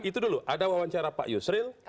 itu dulu ada wawancara pak yusril